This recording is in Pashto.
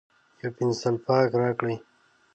یو پینسیلپاک راکړئ